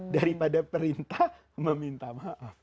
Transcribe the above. daripada perintah meminta maaf